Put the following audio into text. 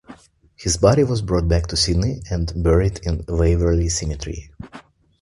His body was brought back to Sydney and buried in Waverley Cemetery.